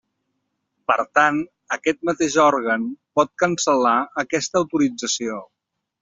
Per tant, aquest mateix òrgan pot cancel·lar aquesta autorització.